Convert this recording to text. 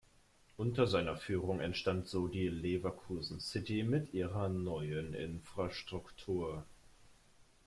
Unter seiner Führung entstand so die „Leverkusen City“ mit ihrer neuen Infrastruktur.